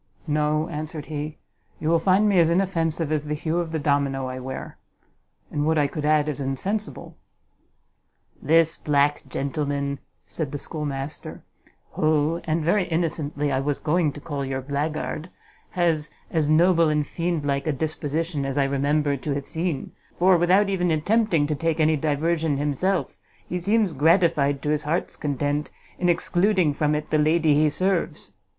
"No," answered he; "you will find me as inoffensive as the hue of the domino I wear; and would I could add as insensible!" "This black gentleman," said the schoolmaster, "who, and very innocently, I was going to call your black guard, has as noble and fiend like a disposition as I remember to have seen; for without even attempting to take any diversion himself, he seems gratified to his heart's content in excluding from it the lady he serves."